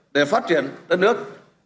để phát triển đất nước